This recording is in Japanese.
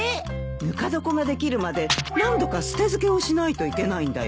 ぬか床ができるまで何度か捨て漬けをしないといけないんだよ。